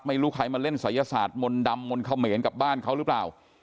ไม่รู้ใครมาเล่นศัยศาสตร์มนต์ดำมนต์เขมรกับบ้านเขาหรือเปล่า